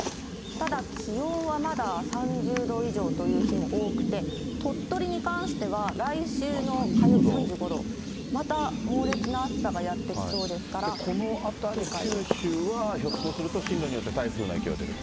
ただ気温はまだ３０度以上という日も多くて、鳥取に関しては来週の火曜日３５度、また猛烈な暑さがやってきそうですから、このあたり、九州はひょっとすると進路によっては台風の影響出ると。